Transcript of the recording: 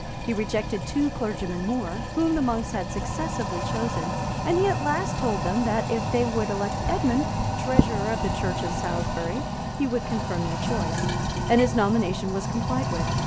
[] He rejected two clergymen more, whom the monks had successively chosen; and he at last told them that, if they would elect Edmond, treasurer of the church of Salisbury, he would confirm their choice; and his nomination was complied with.